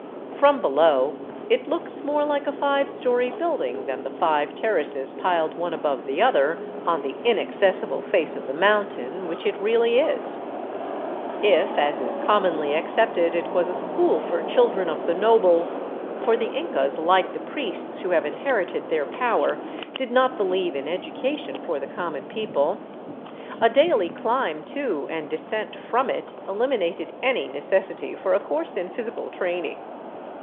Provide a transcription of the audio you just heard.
From below it looks more like a five story building than the five terraces piled one above the other on the inaccessible face of the mountain, which it really is. If, as is commonly accepted, it was a school for children of the nobles — for the Incas, like the priests who have inherited their power, did not 459 VAGABONDING DOWN THE ANDES believe in education for the common people — a daily climb to and descent from it eliminated any necessity for a course in physical training.